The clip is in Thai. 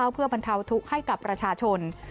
เพื่อบรรเทาทุกข์ให้กับประชาชน